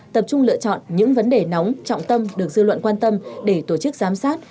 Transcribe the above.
tập trung lựa chọn những vấn đề nóng trọng tâm được dư luận quan tâm để tổ chức giám sát